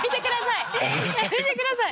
やめてください